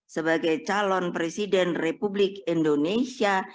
sebagai calon presiden republik indonesia